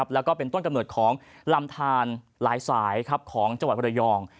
แล้วก็เป็นต้นกำเนิดของลำทานหลายสายของจังหวัดบรยอง